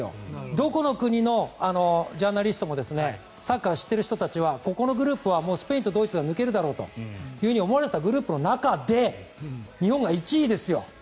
どこの国のジャーナリストもサッカー知っている人たちはここのグループはスペイン、ドイツは抜けるだろうと思われていたグループの中で日本が１位ですよ。